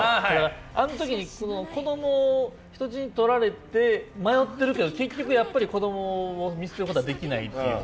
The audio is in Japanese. あの時に子どもを人質に取られて迷ってるけど結局やっぱり子どもを見捨てることはできないっていう